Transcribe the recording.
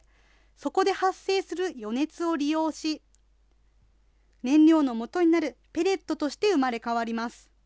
そこで発生する余熱を利用し、燃料のもとになるペレットとして生まれ変わります。